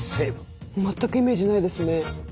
全くイメージないですね。